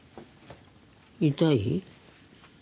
痛い？